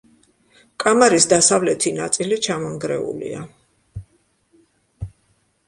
კამარის დასავლეთი ნაწილი ჩამონგრეულია.